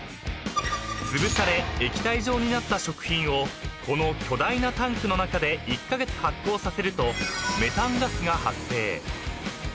［つぶされ液体状になった食品をこの巨大なタンクの中で１カ月発酵させるとメタンガスが発生］